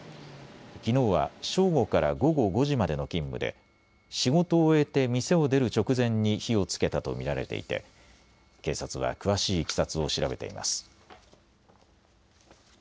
きのうは正午から午後５時までの勤務で仕事を終えて店を出る直前に火をつけたと見られていて警察は詳しいいきさつを調べています。